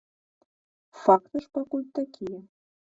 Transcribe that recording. Факты ж пакуль такія.